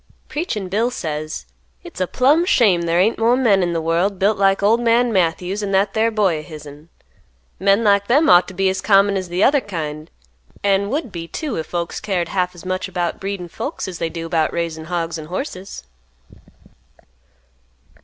Preachin' Bill, says, "Hit's a plumb shame there ain't more men in th' world built like old man Matthews and that thar boy o' his'n. Men like them ought t' be as common as th' other kind, an' would be too if folks cared half as much 'bout breeding folks as they do 'bout raising hogs an' horses."